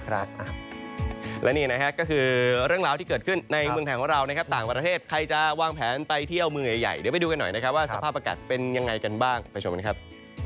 และนี่นะครับก็คือเรื่องราวที่เกิดขึ้นในเมืองไทยของเรานะครับต่างประเทศใครจะวางแผนไปเที่ยวเมืองใหญ่เดี๋ยวไปดูกันหน่อยนะครับว่าสภาพอากาศเป็นยังไงกันบ้างไปชมกันครับ